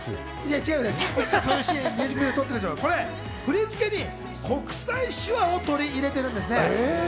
違うんだよ、これ振り付けに国際手話を取り入れてるんですね。